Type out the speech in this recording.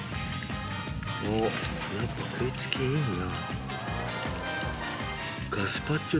やっぱ食い付きいいな。